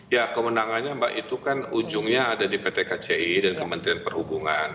ya kemenangannya mbak itu kan ujungnya ada di pt kci dan kementerian perhubungan